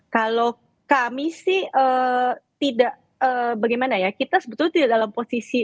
kalau kami sih tidak bagaimana ya kita sebetulnya tidak dalam posisi